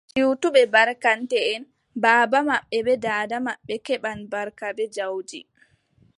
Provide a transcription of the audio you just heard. Siwtuɓe barkanteʼen, baaba maɓɓe bee daada maɓɓe keɓan barka bee jawdi.